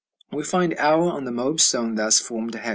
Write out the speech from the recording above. We find l on the Moab stone thus formed, ###